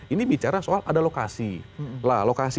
ini bicara soal ada lokasi